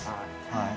はい。